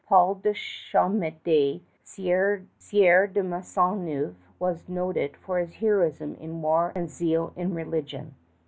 Paul de Chomedey, Sieur de Maisonneuve, was noted for his heroism in war and zeal in religion.